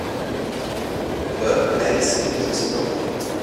A dog plays in the snow